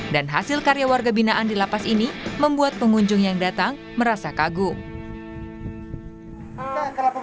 hasil karya warga binaan di lapas ini membuat pengunjung yang datang merasa kagum